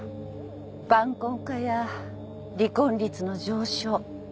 晩婚化や離婚率の上昇。